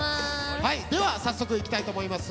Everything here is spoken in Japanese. では早速いきたいと思います。